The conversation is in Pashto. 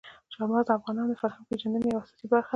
چار مغز د افغانانو د فرهنګي پیژندنې یوه اساسي برخه ده.